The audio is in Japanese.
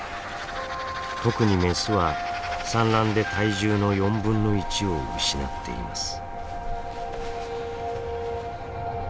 特にメスは産卵で体重の４分の１を失っています。